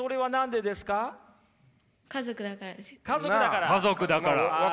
家族だからです。